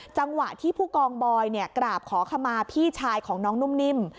จังหวะที่ผู้กองบอยกราบขอขมาพี่ชายของน้องนุ่มนิ่ม